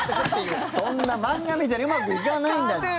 そんな漫画みたいにうまく行かないんだって。